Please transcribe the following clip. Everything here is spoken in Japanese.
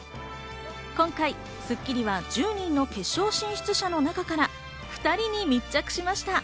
今回『スッキリ』は１０人の決勝進出者の中から２人に密着しました。